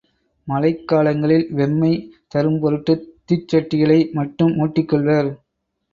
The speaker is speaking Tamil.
மழைக் காலங்களில் வெம்மை தரும் பொருட்டுத் தீச்சட்டிகளை மட்டும் மூட்டிக் கொள்வர்.